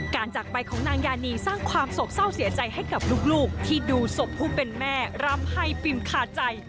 จากไปของนางยานีสร้างความโศกเศร้าเสียใจให้กับลูกที่ดูศพผู้เป็นแม่รำให้ฟิมขาดใจ